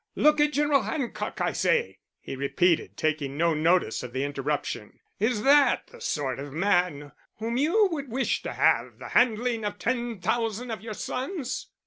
"Look at General Hancock, I say," he repeated, taking no notice of the interruption. "Is that the sort of man whom you would wish to have the handling of ten thousand of your sons?"